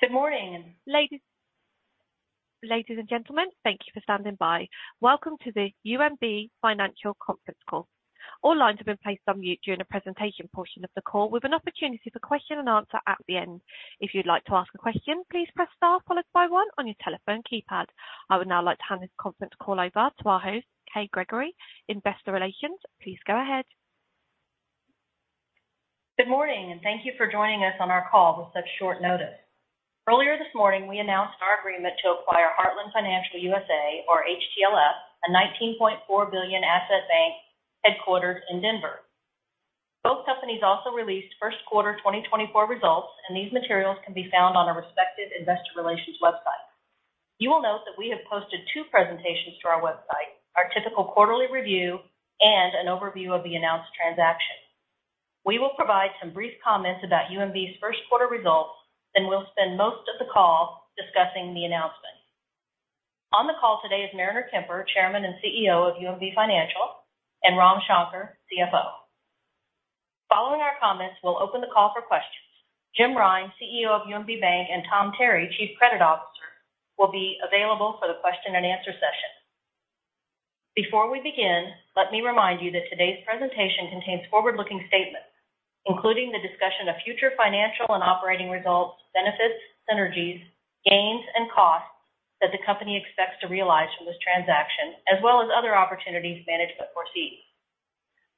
Good morning, ladies and gentlemen. Thank you for standing by. Welcome to the UMB Financial Conference Call. All lines have been placed on mute during the presentation portion of the call, with an opportunity for question and answer at the end. If you'd like to ask a question, please press star followed by one on your telephone keypad. I would now like to hand this conference call over to our host, Kay Gregory, Investor Relations. Please go ahead. Good morning, and thank you for joining us on our call with such short notice. Earlier this morning, we announced our agreement to acquire Heartland Financial USA or HTLF, a $19.4 billion asset bank headquartered in Denver. Both companies also released first-quarter 2024 results, and these materials can be found on our respective investor relations website. You will note that we have posted two presentations to our website, our typical quarterly review and an overview of the announced transaction. We will provide some brief comments about UMB's first quarter results, then we'll spend most of the call discussing the announcement. On the call today is Mariner Kemper, Chairman and CEO of UMB Financial, and Ram Shankar, CFO. Following our comments, we'll open the call for questions. Jim Rine, CEO of UMB Bank, and Tom Terry, Chief Credit Officer, will be available for the question-and-answer session. Before we begin, let me remind you that today's presentation contains forward-looking statements, including the discussion of future financial and operating results, benefits, synergies, gains and costs that the company expects to realize from this transaction, as well as other opportunities management foresees.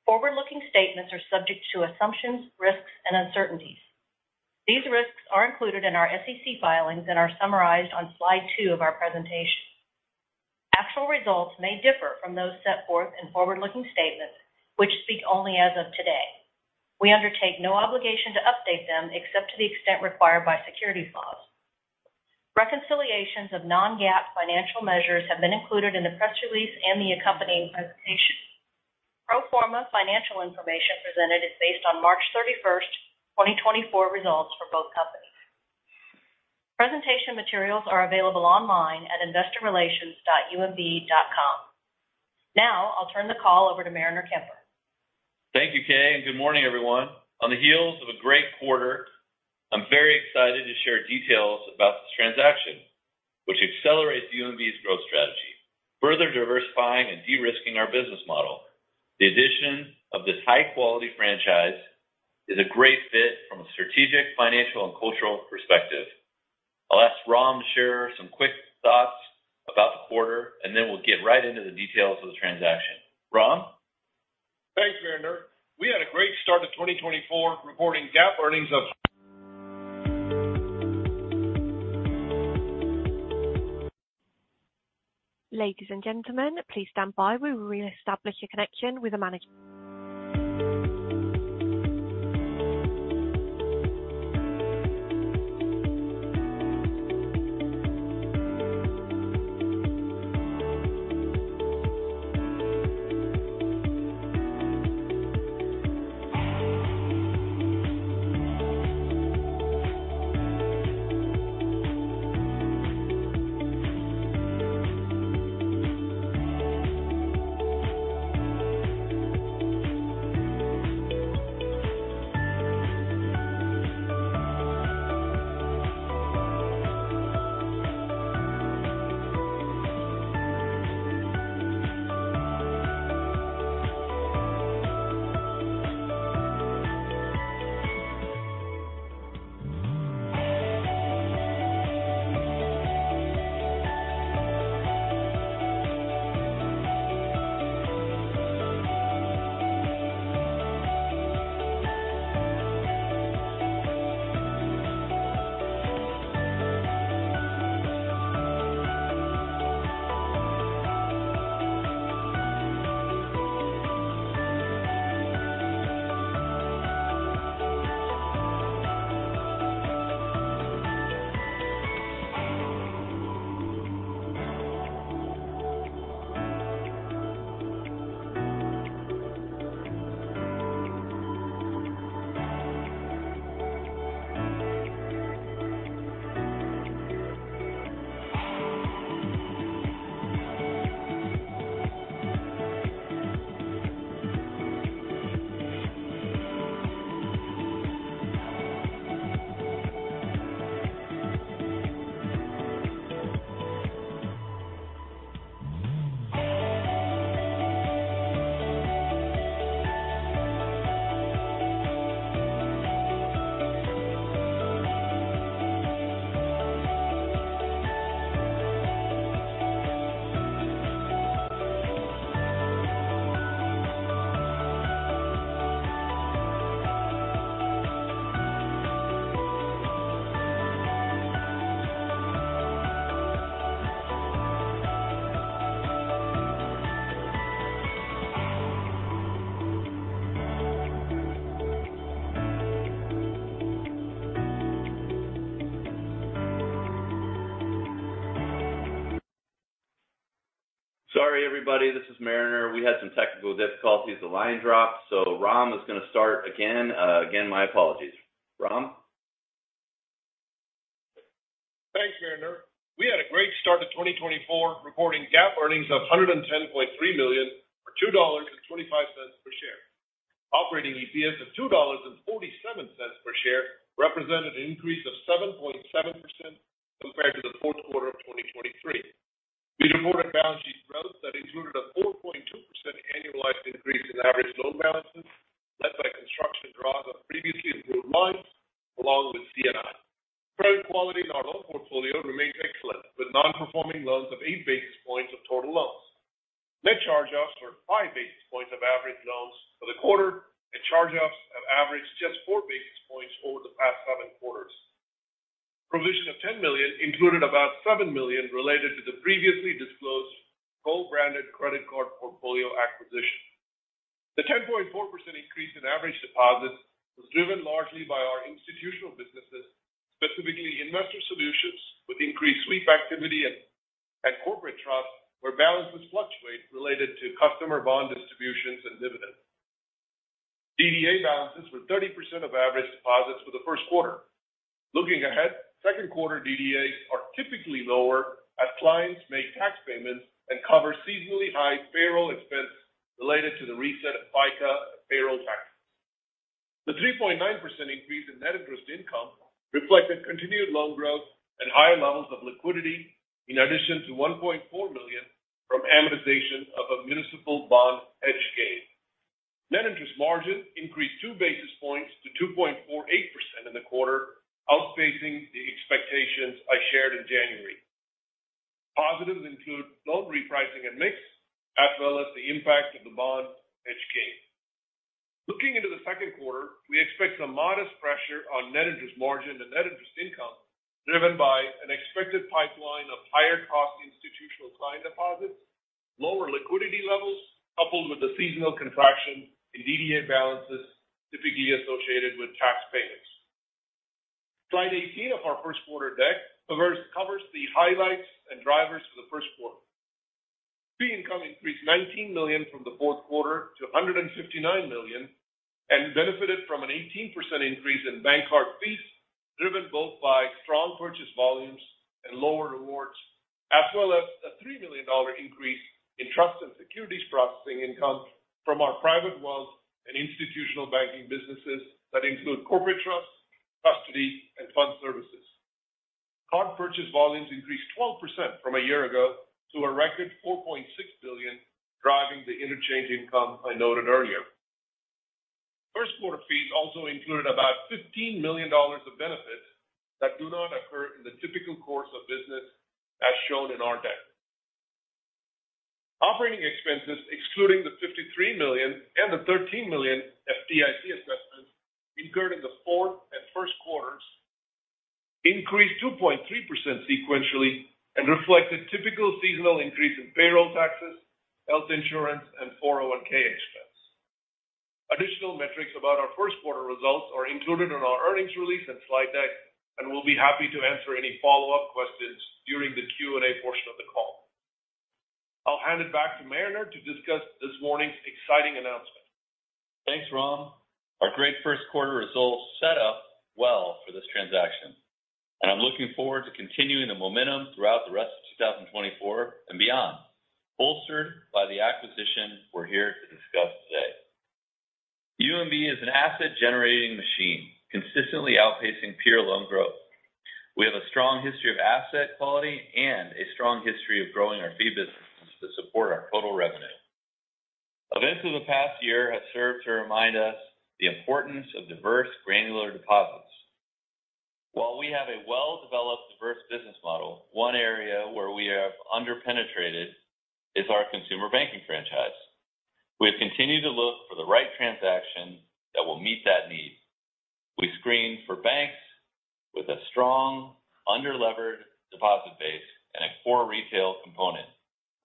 Forward-looking statements are subject to assumptions, risks and uncertainties. These risks are included in our SEC filings and are summarized on slide two of our presentation. Actual results may differ from those set forth in forward-looking statements, which speak only as of today. We undertake no obligation to update them, except to the extent required by securities laws. Reconciliations of non-GAAP financial measures have been included in the press release and the accompanying presentation. Pro forma financial information presented is based on March 31, 2024 results for both companies. Presentation materials are available online at investorrelations.umb.com. Now I'll turn the call over to Mariner Kemper. Thank you, Kay, and good morning, everyone. On the heels of a great quarter, I'm very excited to share details about this transaction, which accelerates UMB's growth strategy, further diversifying and de-risking our business model. The addition of this high-quality franchise is a great fit from a strategic, financial and cultural perspective. I'll ask Ram to share some quick thoughts about the quarter, and then we'll get right into the details of the transaction. Ram? Thanks, Mariner. We had a great start to 2024. Ladies and gentlemen, please stand by. We will reestablish a connection with the manager. Sorry, everybody. This is Mariner. We had some technical difficulties. The line dropped, so Ram is going to start again. Again, my apologies. Ram? Thanks, Mariner. We had a great start to 2024, reporting GAAP earnings of $110.3 million or $2.25 per share. Operating EPS of $2.47 per share represented an increase of 7.7% compared to the fourth quarter of 2023. We reported balance sheet growth that included a 4.2% annualized increase in average loan balances, led by construction draws of previously improved lines, along with C&I. Credit quality in our loan portfolio remains excellent, with non-performing loans of 8 basis points of total loans. Net charge-offs are 5 basis points of average loans for the quarter, and charge-offs have averaged just 4 basis points over the past 7 quarters. Provision of $10 million included about $7 million related to the previously disclosed co-branded credit card portfolio acquisition. The 10.4% increase in average deposits was driven largely by our institutional businesses, specifically investor solutions, with increased sweep activity and corporate trust, where balances fluctuate related to customer bond distributions and dividends. DDA balances were 30% of average deposits for the first quarter. Looking ahead, second-quarter DDAs are typically lower, as clients make tax payments, and cover seasonally high payroll expenses related to the reset of FICA payroll taxes. The 3.9% increase in net interest income reflected continued loan growth and higher levels of liquidity, in addition to $1.4 million from amortization of a municipal bond hedge gain. Net interest margin increased 2 basis points to 2.48% in the quarter, outpacing the expectations I shared in January. Positives include loan repricing and mix, as well as the impact of the bond hedge gain. Looking into the second quarter, we expect some modest pressure on net interest margin and net interest income, driven by an expected pipeline of higher-cost institutional client deposits, lower liquidity levels, coupled with the seasonal contraction in DDA balances, typically associated with tax payments. Slide 18 of our first quarter deck covers the highlights and drivers for the first quarter. Fee income increased $19 million from the fourth quarter to $159 million, and benefited from an 18% increase in bank card fees, driven both by strong purchase volumes and lower rewards, as well as a $3 million increase in trust and securities processing income from our private wealth, and institutional banking businesses that include corporate trust, custody, and fund services. Card purchase volumes increased 12% from a year ago to a record 4.6 billion, driving the interchange income I noted earlier. First quarter fees also included about $15 million of benefits that do not occur in the typical course of business, as shown in our deck. Operating expenses, excluding the $53 million and the $13 million FDIC assessments incurred in the fourth and first quarters, increased 2.3% sequentially and reflected typical seasonal increase in payroll taxes, health insurance, and 401(k) expense. Additional metrics about our first quarter results are included in our earnings release and slide deck, and we'll be happy to answer any follow-up questions during the Q&A portion of the call. I'll hand it back to Mariner to discuss this morning's exciting announcement. Thanks, Ram. Our great first-quarter results set up well for this transaction, and I'm looking forward to continuing the momentum throughout the rest of 2024 and beyond, bolstered by the acquisition we're here to discuss today. UMB is an asset-generating machine, consistently outpacing peer loan growth. We have a strong history of asset quality, and a strong history of growing our fee businesses to support our total revenue. Events of the past year have served to remind us the importance of diverse granular deposits. While we have a well-developed, diverse business model, one area where we have underpenetrated is our consumer banking franchise. We have continued to look for the right transaction that will meet that need. We screened for banks with a strong, underlevered deposit base and a core retail component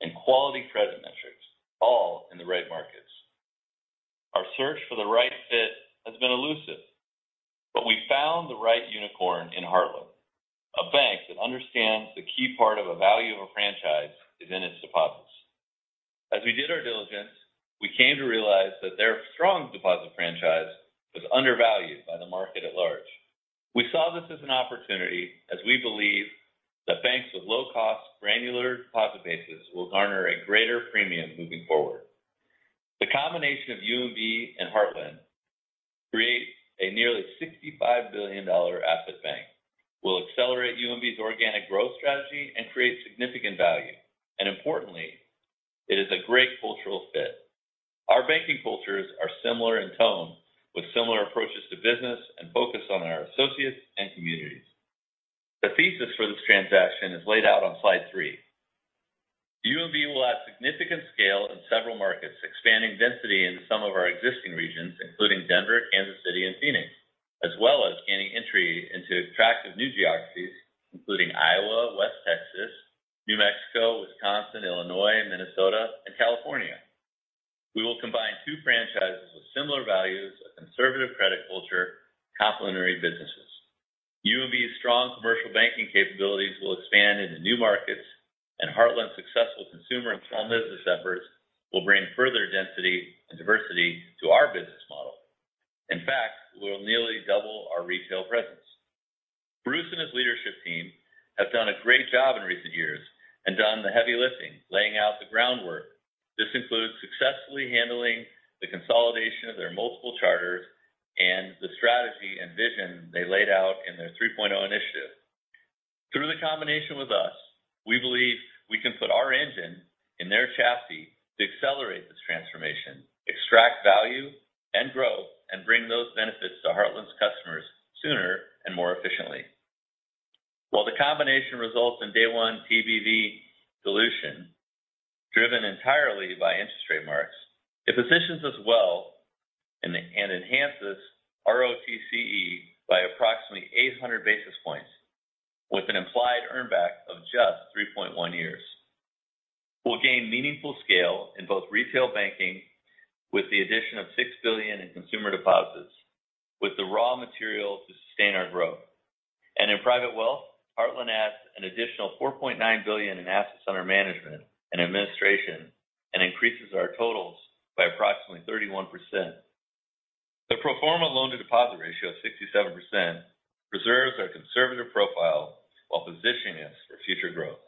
and quality credit metrics, all in the right markets. Our search for the right fit has been elusive, but we found the right unicorn in Heartland, a bank that understands the key part of a value of a franchise is in its deposits. As we did our diligence, we came to realize that their strong deposit franchise was undervalued by the market at large. We saw this as an opportunity, as we believe that banks with low-cost, granular deposit bases will garner a greater premium moving forward. The combination of UMB and Heartland creates a nearly $65 billion asset bank, will accelerate UMB's organic growth strategy and create significant value. Importantly, it is a great cultural fit. Our banking cultures are similar in tone, with similar approaches to business, and focus on our associates and communities. The thesis for this transaction is laid out on slide 3. UMB will add significant scale in several markets, expanding density into some of our existing regions, including, Denver, Kansas City, and Phoenix, as well as gaining entry into attractive new geographies, including Iowa, West Texas, New Mexico, Wisconsin, Illinois, Minnesota, and California. We will combine two franchises with similar values, a conservative credit culture, complementary businesses. UMB's strong commercial banking capabilities will expand into new markets, and Heartland's successful consumer and small business efforts will bring further density and diversity to our business mix, infact will nearly double our retail presence. Bruce and his leadership team have done a great job in recent years, and done the heavy lifting, laying out the groundwork. This includes successfully handling the consolidation of their multiple charters, and the strategy and vision they laid out in their 3.0 initiative. Through the combination with us, we believe we can put our engine in their chassis to accelerate this transformation, extract value and grow, and bring those benefits to Heartland's customers sooner and more efficiently. While the combination results in day one PBV dilution, driven entirely by interest rate marks, it positions us well and enhances ROTCE by approximately 800 basis points, with an implied earn back of just 3.1 years. We'll gain meaningful scale in both retail banking, with the addition of $6 billion in consumer deposits, with the raw material to sustain our growth. In private wealth, Heartland adds an additional $4.9 billion in assets under management and administration, and increases our totals by approximately 31%. The pro forma loan-to-deposit ratio of 67% preserves our conservative profile, while positioning us for future growth.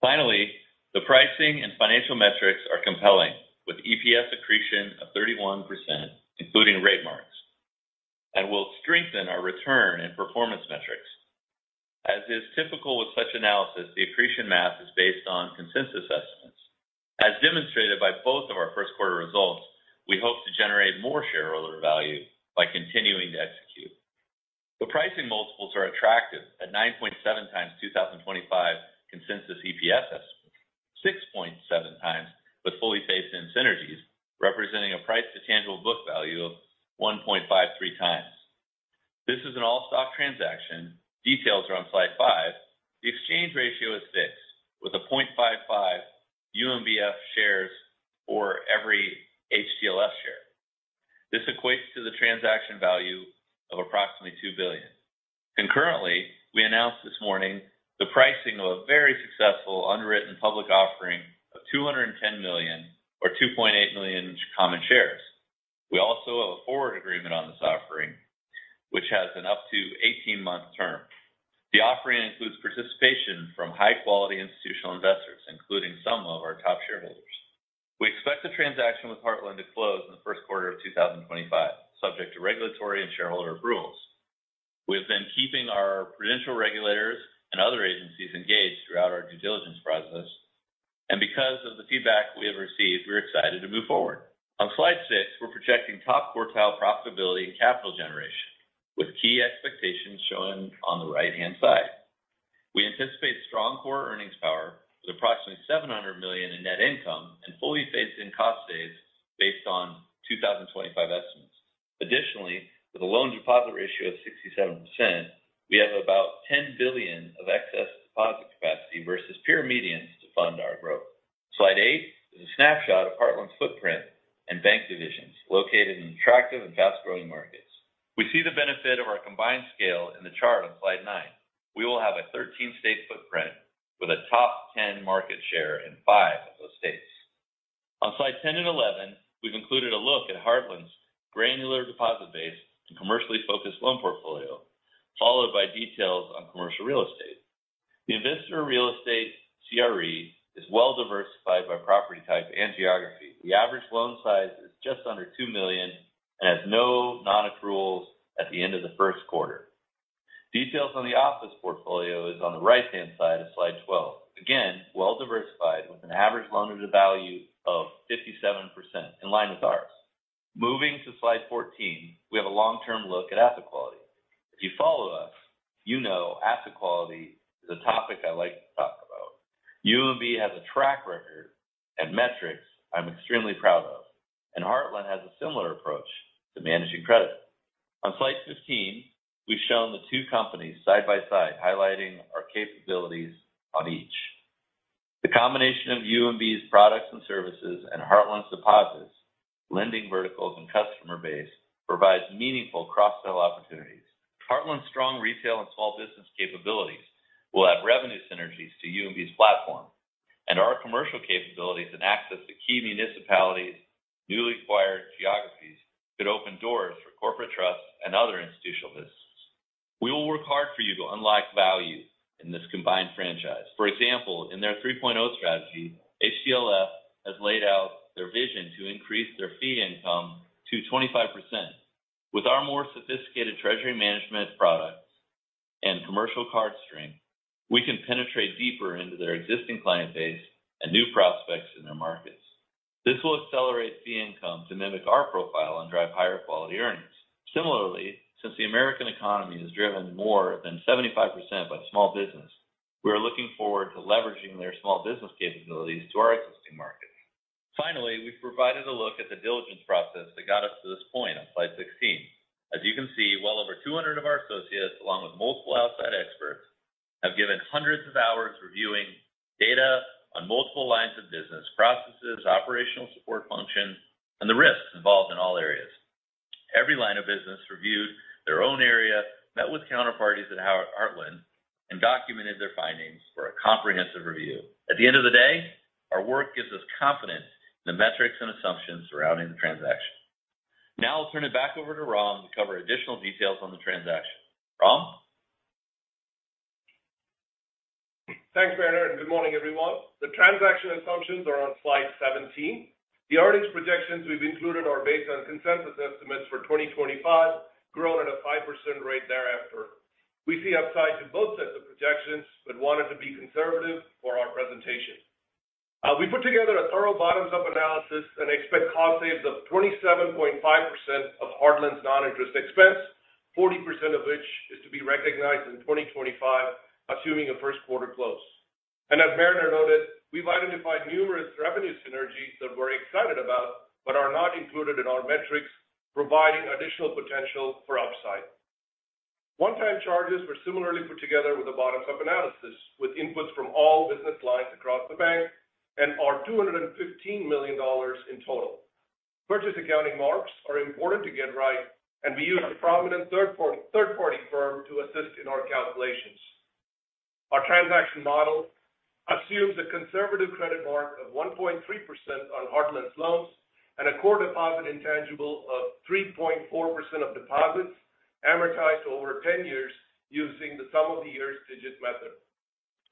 Finally, the pricing and financial metrics are compelling, with EPS accretion of 31%, including rate marks, and will strengthen our return and performance metrics. As is typical with such analysis, the accretion math is based on consensus estimates. As demonstrated by both of our first-quarter results, we hope to generate more shareholder value by continuing to execute. The pricing multiples are attractive at 9.7x 2025 consensus EPS, 6.7x, but fully phased in synergies, representing a price to tangible book value of 1.53x. This is an all-stock transaction. Details are on slide 5. The exchange ratio is fixed, with a 0.655 UMBF shares for every HTLF share. This equates to the transaction value of approximately $2 billion. Concurrently, we announced this morning the pricing of a very successful underwritten public offering of 210 million or 2.8 million common shares. We also have a forward agreement on this offering, which has an up to 18-month term. The offering includes participation from high-quality institutional investors, including some of our top shareholders. We expect the transaction with Heartland to close in the first quarter of 2025, subject to regulatory and shareholder approvals. We have been keeping our prudential regulators and other agencies engaged throughout our due diligence process, and because of the feedback we have received, we're excited to move forward. On slide six, we're projecting top quartile profitability and capital generation, with key expectations shown on the right-hand side. We anticipate strong core earnings power with approximately $700 million in net income, and fully phased-in cost saves based on 2025 estimates. Additionally, with a loan deposit ratio of 67%, we have about $10 billion of excess deposit capacity versus peer medians to fund our growth. Slide eight is a snapshot of Heartland's footprint, and bank divisions located in attractive and fast-growing markets. We see the benefit of our combined scale in the chart on slide nine. We will have a 13-state footprint with a top 10 market share in five of those states. On slide 10 and 11, we've included a look at Heartland's granular deposit base and commercially focused loan portfolio, followed by details on commercial real estate. The investor real estate CRE is well-diversified by property type and geography. The average loan size is just under $2 million, and has no non-accruals at the end of the first quarter. Details on the office portfolio is on the right-hand side of slide 12. Again, well-diversified, with an average loan-to-value of 57%, in line with ours. Moving to slide 14, we have a long-term look at asset quality. If you follow us, you know asset quality is a topic I like to talk about. UMB has a track record and metrics I'm extremely proud of, and Heartland has a similar approach to managing credit. On slide 15, we've shown the two companies side by side, highlighting our capabilities on each. The combination of UMB's products and services and Heartland's deposits, lending verticals, and customer base provides meaningful cross-sell opportunities. Heartland's strong retail and small business capabilities will add revenue synergies to UMB's platform, and our commercial capabilities and access to key municipalities, newly acquired geographies, could open doors for corporate trust and other institutional businesses. We will work hard for you to unlock value in this combined franchise. For example, in their 3.0 strategy, HTLF has laid out their vision to increase their fee income to 25%. With our more sophisticated treasury management products and commercial card stream, we can penetrate deeper into their existing client base and new prospects in their markets. This will accelerate fee income to mimic our profile and drive higher quality earnings. Similarly, since the American economy is driven more than 75% by small business, we are looking forward to leveraging their small business capabilities to our existing markets. Finally, we've provided a look at the diligence process that got us to this point on slide 16. As you can see, well over 200 of our associates, along with multiple outside experts, have given hundreds of hours reviewing data on multiple lines of business processes, operational support functions, and the risks involved in all areas. Every line of business reviewed their own area, met with counterparties at Heartland and documented their findings for a comprehensive review. At the end of the day, our work gives us confidence in the metrics and assumptions surrounding the transaction. Now I'll turn it back over to Ram to cover additional details on the transaction. Ram? Thanks, Mariner. Good morning, everyone. The transaction assumptions are on slide 17. The earnings projections we've included are based on consensus estimates for 2025, growing at a 5% rate thereafter. We see upside to both sets of projections, but wanted to be conservative for our presentation. We put together a thorough bottoms-up analysis, and expect cost saves of 27.5% of Heartland's non-interest expense, 40% of which is to be recognized in 2025, assuming a first quarter close. As Mariner noted, we've identified numerous revenue synergies that we're excited about, but are not included in our metrics, providing additional potential for upside. One-time charges were similarly put together with a bottoms-up analysis, with inputs from all business lines across the bank and are $215 million in total. Purchase accounting marks are important to get right, and we use a prominent third-party firm to assist in our calculations. Our transaction model assumes a conservative credit mark of 1.3% on Heartland's loans, and a core deposit intangible of 3.4% of deposits amortized over 10 years using the sum-of-the-years-digit method.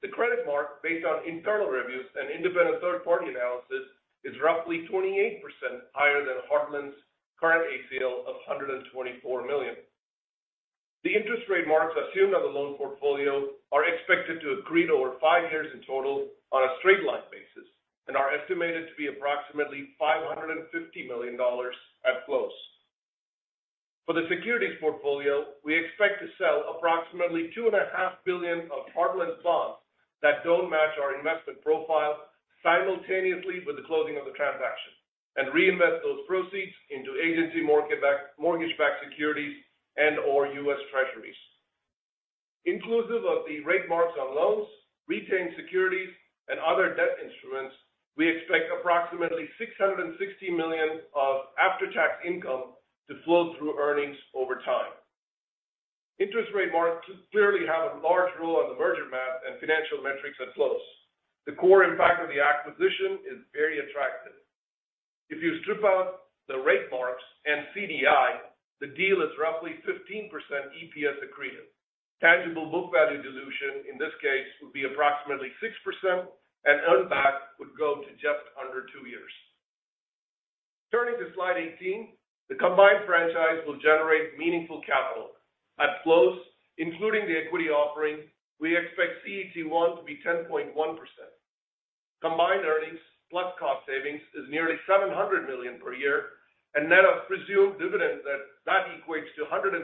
The credit mark, based on internal reviews and independent third-party analysis, is roughly 28% higher than Heartland's current ACL of $124 million. The interest rate marks assumed on the loan portfolio are expected to accrete over 5 years in total on a straight line basis, and are estimated to be approximately $550 million at close. For the securities portfolio, we expect to sell approximately $2.5 billion of Heartland bonds that don't match our investment profile simultaneously with the closing of the transaction, and reinvest those proceeds into agency mortgage-backed securities and/or U.S. Treasuries. Inclusive of the rate marks on loans, retained securities, and other debt instruments, we expect approximately $660 million of after-tax income to flow through earnings over time. Interest rate marks clearly have a large role on the merger math and financial metrics at close. The core impact of the acquisition is very attractive. If you strip out the rate marks and CDI, the deal is roughly 15% EPS accretive. Tangible book value dilution in this case would be approximately 6%, and would go to just under 2 years. Turning to slide 18, the combined franchise will generate meaningful capital. At close, including the equity offering, we expect CET1 to be 10.1%. Combined earnings plus cost savings is nearly $700 million per year and net of presumed dividends, that equates to 115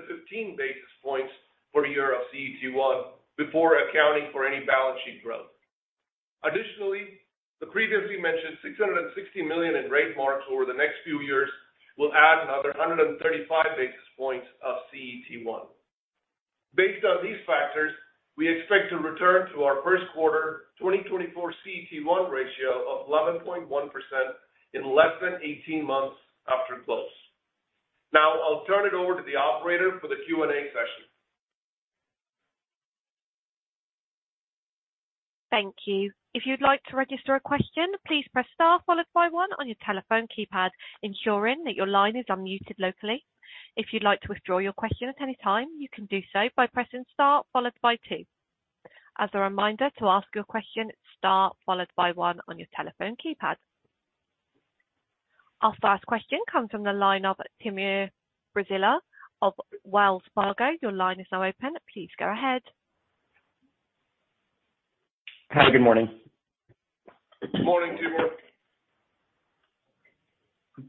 basis points for a year of CET1, before accounting for any balance sheet growth. Additionally, the previously mentioned $660 million in rate marks over the next few years will add another 135 basis points of CET1. Based on these factors, we expect to return to our first quarter 2024 CET1 ratio of 11.1% in less than 18 months after close. Now I'll turn it over to the operator for the Q&A session. Thank you. If you'd like to register a question, please press star followed by one on your telephone keypad, ensuring that your line is unmuted locally. If you'd like to withdraw your question at any time, you can do so by pressing star followed by two. As a reminder, to ask your question, star followed by one on your telephone keypad. Our first question comes from the line of Timur Braziler of Wells Fargo. Your line is now open. Please go ahead. Hi, good morning. Good morning, Timur.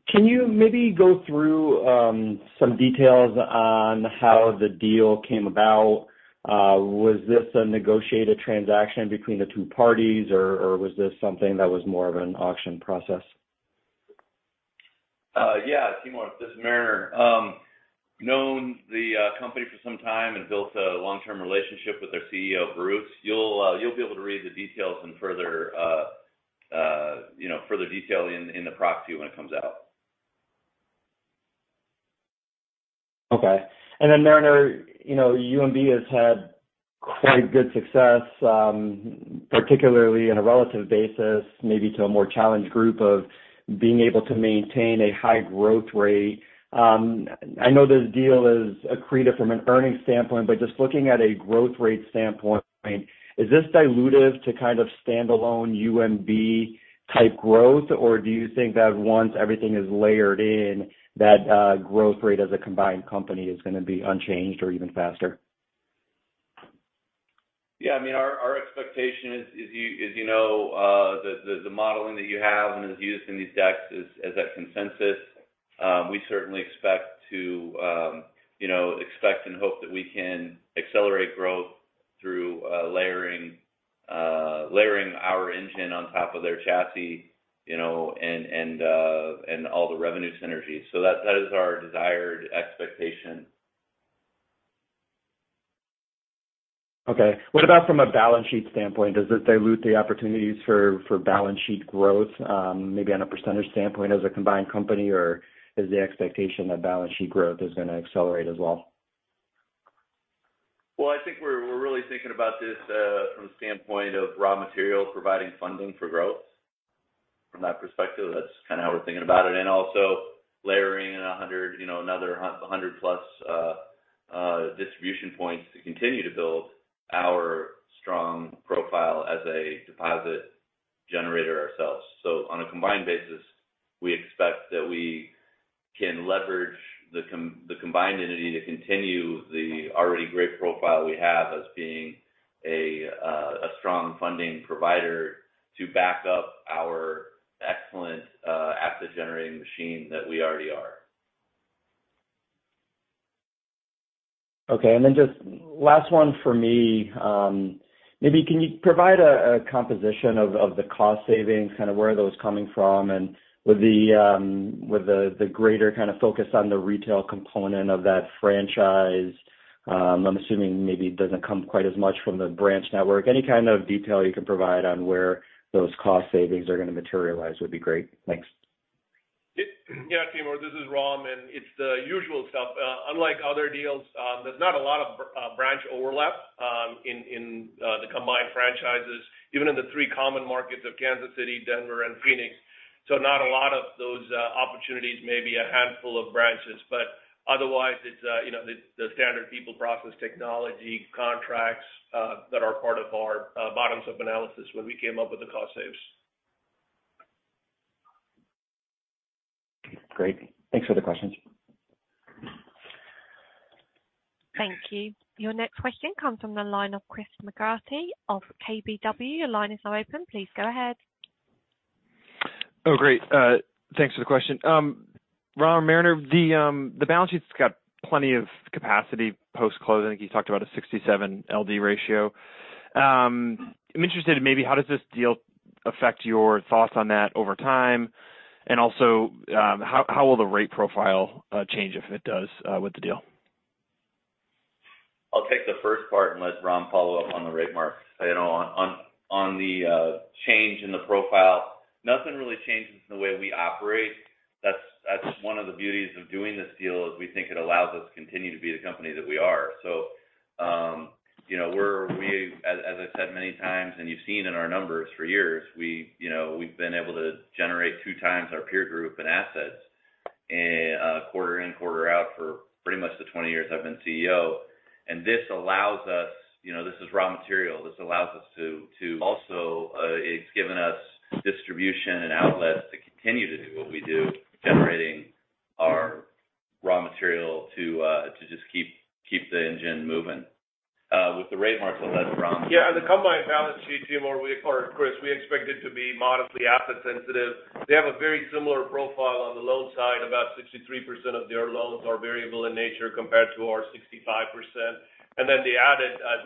Can you maybe go through some details on how the deal came about? Was this a negotiated transaction between the two parties, or was this something that was more of an auction process? Yeah. Timur, this is Mariner. Known the company for some time and built a long-term relationship with their CEO, Bruce. You'll be able to read the details in, you know, further detail in the proxy when it comes out. Okay. Then, Mariner, you know, UMB has had quite good success, particularly on a relative basis, maybe to a more challenged group of being able to maintain a high growth rate. I know this deal is accretive from an earnings standpoint, but just looking at a growth rate standpoint, is this dilutive to kind of standalone UMB-type growth? Or do you think that once everything is layered in, that growth rate as a combined company is going to be unchanged or even faster? Yeah. I mean, our expectation is, as you know, the modeling that you have and is used in these decks is that consensus. We certainly, you know, expect and hope that we can accelerate growth through layering our engine on top of their chassis, you know, and all the revenue synergies. That is our desired expectation. Okay, what about from a balance sheet standpoint? Does it dilute the opportunities for balance sheet growth, maybe on a percentage standpoint as a combined company, or is the expectation that balance sheet growth is going to accelerate as well? Well, I think we're really thinking about this from the standpoint of raw materials providing funding for growth. From that perspective, that's kind of how we're thinking about it. Also, layering in, you know, another 100+ distribution points to continue to build our strong profile as a deposit generator ourselves. On a combined basis, we expect that we can leverage the combined entity to continue the already great profile we have as being a strong funding provider, to back up our excellent asset-generating machine that we already are. Okay, and then just last one for me. Maybe can you provide a composition of the cost savings, kind of where are those coming from? With the greater kind of focus on the retail component of that franchise, I'm assuming maybe it doesn't come quite as much from the branch network. Any kind of detail you can provide on where those cost savings are going to materialize would be great. Thanks. Yeah, Timur. This is Ram, and it's the usual stuff. Unlike other deals, there's not a lot of branch overlap in the combined franchises, even in the three common markets of Kansas City, Denver, and Phoenix. Not a lot of those opportunities, maybe a handful of branches, but otherwise, it's you know, the standard people, process, technology, contracts that are part of our bottom-up analysis when we came up with the cost saves. Great. Thanks for the questions. Thank you. Your next question comes from the line of Chris McGratty of KBW. Your line is now open. Please go ahead. Oh, great. Thanks for the question. Ram, Mariner, the balance sheet's got plenty of capacity post-closing. I think you talked about a 67 LD ratio. I'm interested in maybe how does this deal affect your thoughts on that over time? Also, how will the rate profile change if it does with the deal? I'll take the first part and let Ram follow up on the rate mark. You know, on the change in the profile, nothing really changes in the way we operate. That's one of the beauties of doing this deal, is we think it allows us to continue to be the company that we are. You know, as I've said many times, and you've seen in our numbers for years, you know, we've been able to generate two times our peer group in assets quarter in, quarter out for pretty much the 20 years I've been CEO. You know, this is raw material. Also, it's given us distribution and outlets to continue to do what we do, generating our raw material to just keep the engine moving. With the rate marks, I'll let Ram. Yeah, on the combined balance sheet, Chris, we expect it to be modestly asset sensitive. They have a very similar profile on the loan side. About 63% of their loans are variable in nature compared to our 65%. Then as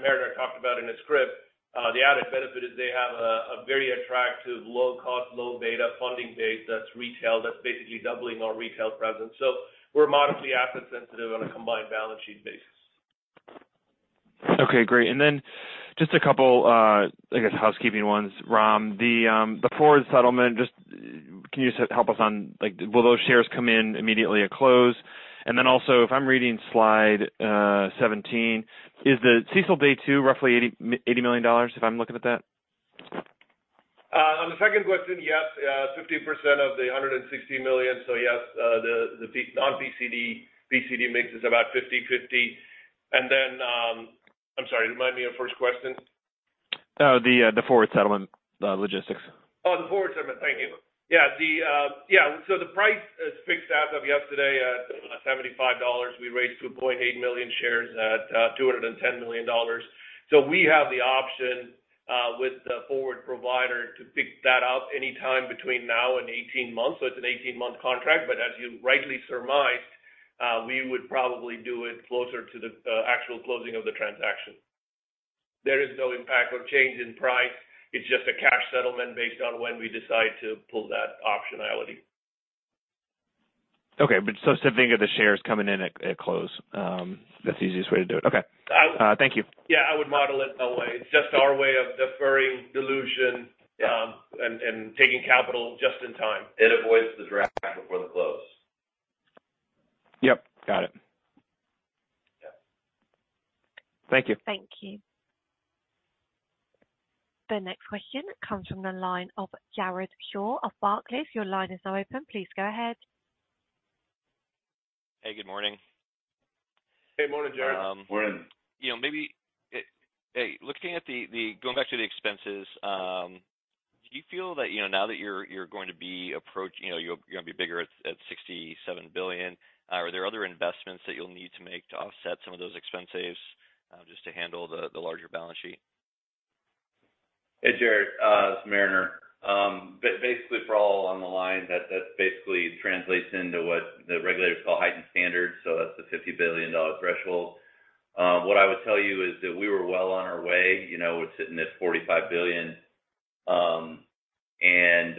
Mariner talked about in his script, the added benefit is they have a very attractive, low cost, low beta funding base that's retail, that's basically doubling our retail presence. We're modestly asset sensitive on a combined balance sheet basis. Okay, great. Then just a couple, I guess, housekeeping ones, Ram. The forward settlement, can you just help us on, will those shares come in immediately at close? Then also, if I'm reading slide 17, is the CECL Day 2 roughly $80 million, if I'm looking at that? On the second question, yes, 50% of the $160 million. Yes, on PCD, PCD mix is about 50/50. Then, I'm sorry, remind me of your first question. The forward settlement logistics. Oh, the forward settlement. Thank you. Yeah, so the price is fixed as of yesterday at $75. We raised 2.8 million shares at $210 million. We have the option with the forward provider to pick that up any time between now and 18 months. It's an 18-month contract, but as you rightly surmised, we would probably do it closer to the actual closing of the transaction. There is no impact or change in price. It's just a cash settlement based on when we decide to pull that optionality. Okay, but so just think of the shares coming in at close. That's the easiest way to do it. Okay, thank you. Yeah, I would model it that way. It's just our way of deferring dilution, and taking capital just in time. It avoids the draft before the close. Yep, got it. Yeah. Thank you. Thank you. The next question comes from the line of Jared Shaw of Barclays. Your line is now open. Please go ahead. Hey, good morning. Hey. Morning, Jared. Morning. You know, maybe going back to the expenses, do you feel that, you know, now that you're going to be bigger at $67 billion, are there other investments that you'll need to make to offset some of those expenses, just to handle the larger balance sheet? Hey, Jared, it's Mariner. Basically, for all on the line, that basically translates into what the regulators call heightened standards, so that's the $50 billion threshold. What I would tell you is that we were well on our way. You know, we're sitting at $45 billion, and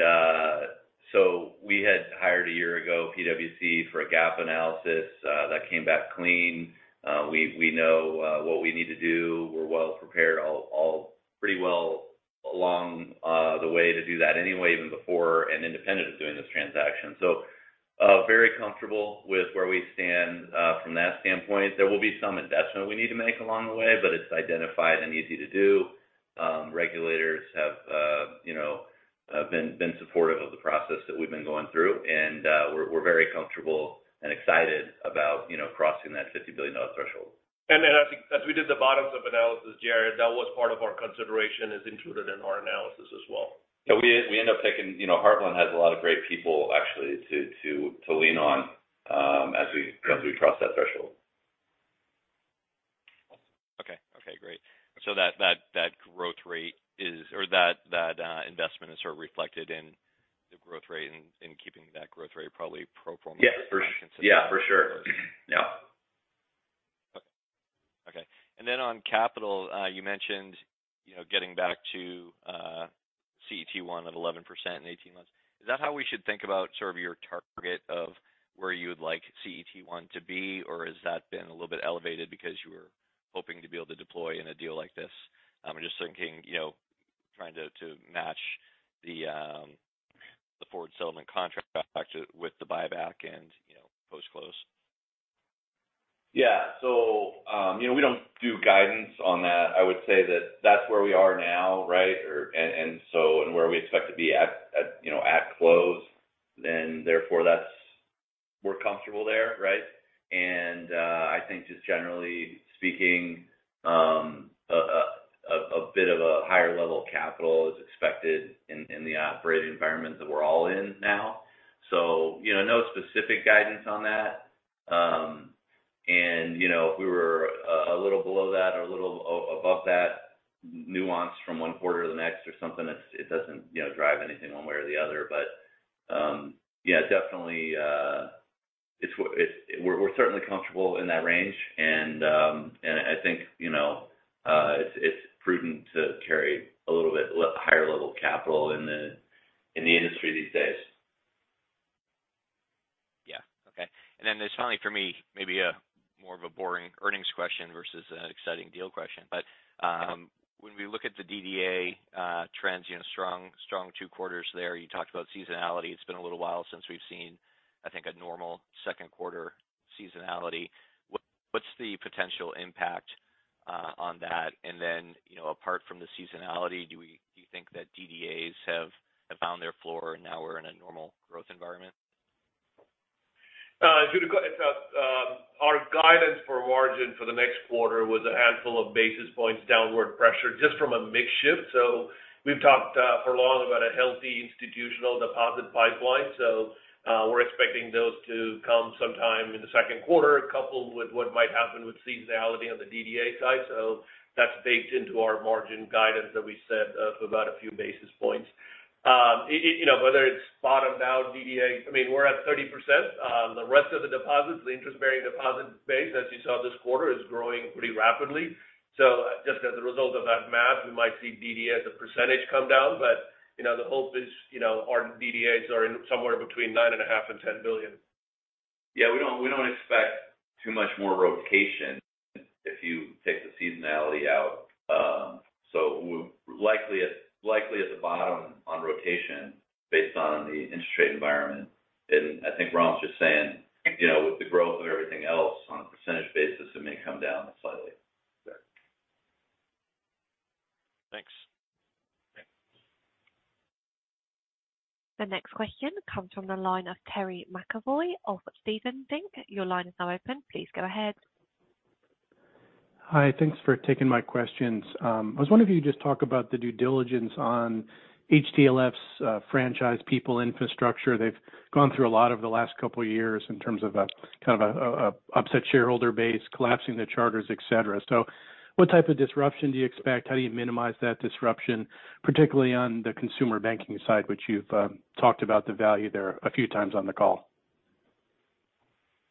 so we had hired a year ago, PwC for a gap analysis that came back clean. We know what we need to do. We're well prepared, all pretty well along the way to do that anyway, even before and independent of doing this transaction. Very comfortable with where we stand from that standpoint. There will be some investment we need to make along the way, but it's identified and easy to do. Regulators have, you know, been supportive of the process that we've been going through, and we're very comfortable and excited about, you know, crossing that $50 billion threshold. Then as we did the bottoms-up analysis, Jared, that was part of our consideration, is included in our analysis as well. Yeah, you know, Heartland has a lot of great people actually to lean on, as we cross that threshold. Okay, great. That growth rate is or that investment is sort of reflected in the growth rate, and keeping that growth rate probably pro forma? Yes, for sure. Yeah, okay. Then on capital, you mentioned, you know, getting back to CET1 at 11% in 18 months. Is that how we should think about sort of your target of where you would like CET1 to be, or has that been a little bit elevated because you were hoping to be able to deploy in a deal like this? I'm just thinking, you know, trying to match the forward settlement contract with the buyback and you know, post-close. Yeah. You know, we don't do guidance on that. I would say that that's where we are now, right? Where we expect to be, you know, at close, then therefore we're comfortable there, right? I think just generally speaking, a bit of a higher level of capital is expected in the operating environment that we're all in now. You know, no specific guidance on that. You know, if we were a little below that or a little above that nuance from one quarter to the next or something, it doesn't drive anything one way or the other. Yeah, definitely. We're certainly comfortable in that range. I think, you know, it's prudent to carry a little bit higher level capital in the industry these days. Yeah, okay. Then there's finally for me, maybe a more of a boring earnings question versus an exciting deal question. When we look at the DDA trends, you know, strong two quarters there, you talked about seasonality. It's been a little while since we've seen I think a normal second-quarter seasonality. What's the potential impact on that? Then, you know, apart from the seasonality, do you think that DDAs have found their floor and now we're in a normal growth environment? our guidance for margin for the next quarter was a handful of basis points, downward pressure, just from a mix shift. We've talked for long about a healthy institutional deposit pipeline. We're expecting those to come sometime in the second quarter, coupled with what might happen with seasonality on the DDA side. That's baked into our margin guidance that we've said, it's about a few basis points. Whether it's bottom-down DDA, I mean, we're at 30%. The rest of the deposits, the interest-bearing deposit base, as you saw this quarter, is growing pretty rapidly. Just as a result of that math, we might see DDA as a percentage come down. You know, the hope is, you know, our DDAs are in somewhere between $9.5 billion and $10 billion. Yeah, we don't expect too much more rotation if you take the seasonality out. We're likely at the bottom on rotation, based on the interest rate environment. I think Ron's just saying, you know, with the growth of everything else on a percentage basis, it may come down slightly. Yeah. Thanks. Yeah. The next question comes from the line of Terry McEvoy of Stephens Inc. Your line is now open. Please go ahead. Hi, thanks for taking my questions. I was wondering if you could just talk about the due diligence on HTLF's franchise people infrastructure. They've gone through a lot over the last couple of years in terms of kind of an upset shareholder base, collapsing the charters, etc. What type of disruption do you expect? How do you minimize that disruption, particularly on the consumer banking side, which you've talked about the value there a few times on the call?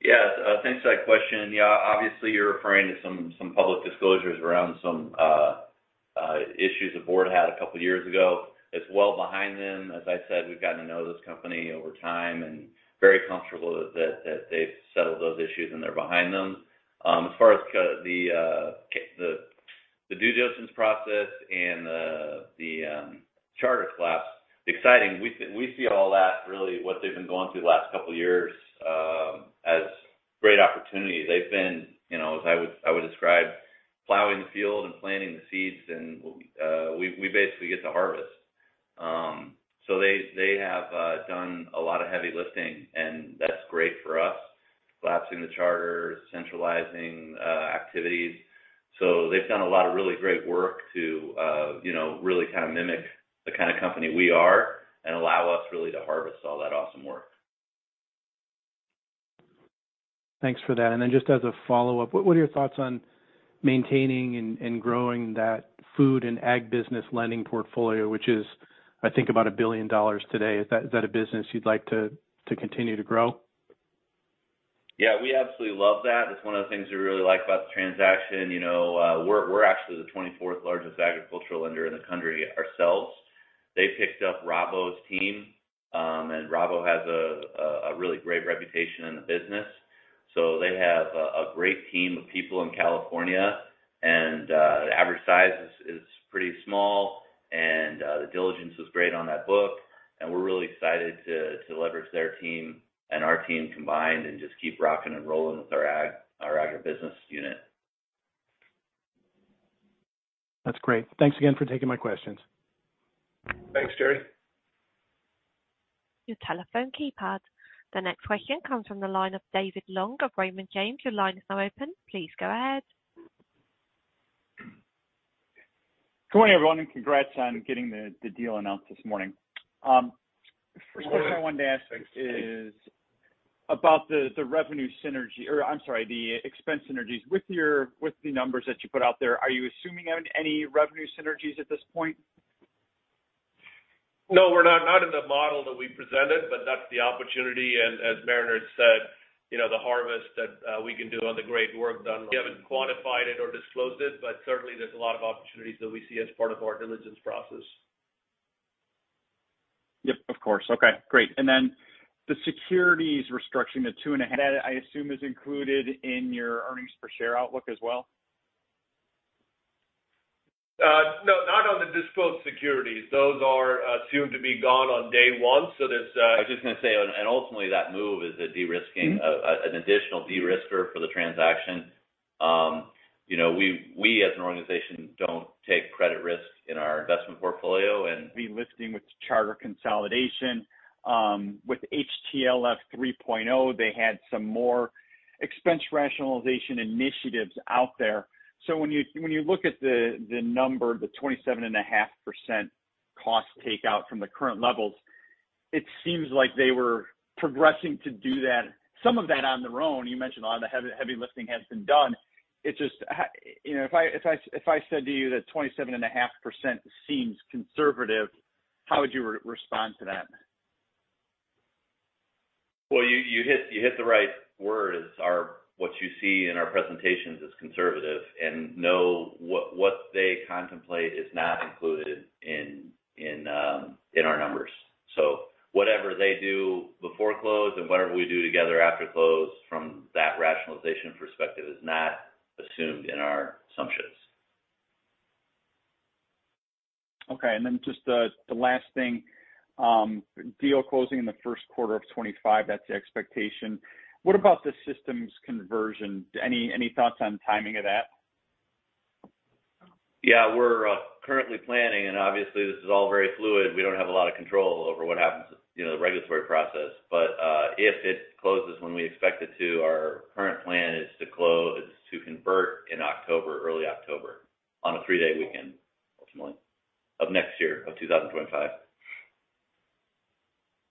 Yeah, thanks for that question. Yeah, obviously you're referring to some public disclosures around some issues the board had a couple of years ago. It's well behind them. As I said, we've gotten to know this company over time, and very comfortable that they've settled those issues and they're behind them. As far as the due diligence process and the charter collapse, exciting. We see all that really, what they've been going through the last couple of years, as great opportunity. They've been, you know, as I would describe, plowing the field and planting the seeds, and we basically get to harvest. They have done a lot of heavy lifting, and that's great for us, collapsing the charters, centralizing activities. They've done a lot of really great work to, you know, really kind of mimic the kind of company we are and allow us really to harvest all that awesome work. Thanks for that. Then just as a follow-up, what are your thoughts on maintaining and growing that food and ag business lending portfolio, which is I think about $1 billion today? Is that a business you'd like to continue to grow? Yeah, we absolutely love that. That's one of the things we really like about the transaction. You know, we're actually the 24th largest agricultural lender in the country ourselves. They picked up Rabo's team, and Rabo has a really great reputation in the business. They have a great team of people in California, and the average size is pretty small and the diligence was great on that book. We're really excited to leverage their team and our team combined, and just keep rocking and rolling with our agribusiness unit. That's great. Thanks again for taking my questions. Thanks, Terry. your telephone keypad. The next question comes from the line of David Long of Raymond James. Your line is now open. Please go ahead. Good morning, everyone, and congrats on getting the deal announced this morning. First thing I wanted to ask is about the revenue synergy, or I'm sorry, the expense synergies. With the numbers that you put out there, are you assuming any revenue synergies at this point? No, we're not. Not in the model that we presented, but that's the opportunity. As Mariner said, you know, the harvest that we can do on the great work done. We haven't quantified it or disclosed it, but certainly there's a lot of opportunities that we see as part of our diligence process. Yep, of course. Okay, great. Then the securities restructuring, the 2.5, I assume is included in your earnings per share outlook as well? No, not on the disclosed securities. Those are assumed to be gone on day one. I was just going to say, and ultimately that move is an additional de-risker for the transaction. You know, we as an organization, don't take credit risk in our investment portfolio. lifting with charter consolidation, with HTLF 3.0, they had some more expense rationalization initiatives out there. When you look at the number, the 27.5% cost takeout from the current levels, it seems like they were progressing to do that, some of that on their own. You mentioned a lot of the heavy lifting has been done. It's just, you know, if I said to you that 27.5% seems conservative, how would you respond to that? Well, you hit the right words. What you see in our presentations is conservative, and know what they contemplate is not included in our numbers. Whatever they do before close, and whatever we do together after close from that rationalization perspective is not assumed in our assumptions. Okay. Then just the last thing, deal closing in the first quarter of 2025, that's the expectation. What about the systems conversion? Any thoughts on timing of that? Yeah, we're currently planning, and obviously this is all very fluid. We don't have a lot of control over what happens to, you know, the regulatory process. If it closes when we expect it to, our current plan is to close, to convert in early October, on a three-day weekend ultimately, of next year, of 2025.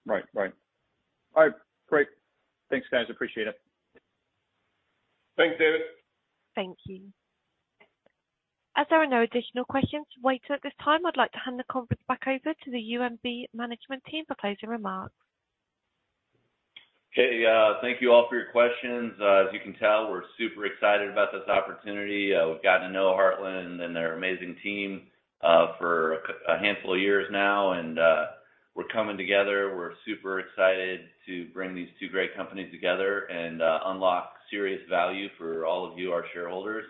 Right. All right, great. Thanks, guys. Appreciate it. Thanks, David. Thank you. As there are no additional questions waiting at this time, I'd like to hand the conference back over to the UMB management team for closing remarks. Okay, thank you all for your questions. As you can tell, we're super excited about this opportunity. We've gotten to know Heartland and their amazing team for a handful of years now, and we're coming together. We're super excited to bring these two great companies together, and unlock serious value for all of you, our shareholders.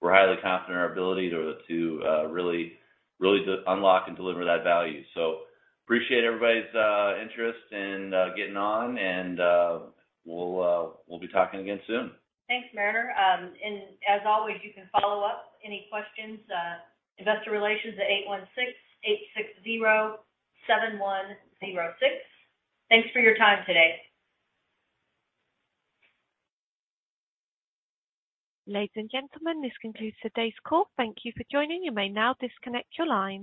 We're highly confident in our ability to really unlock and deliver that value. Appreciate everybody's interest in getting on, and we'll be talking again soon. Thanks, Mariner. As always, you can follow up any questions, investor relations at 816-860-7106. Thanks for your time today. Ladies and gentlemen, this concludes today's call. Thank you for joining. You may now disconnect your lines.